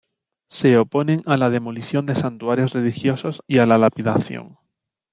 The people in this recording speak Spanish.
Se oponen a la demolición de santuarios religiosos y a la lapidación.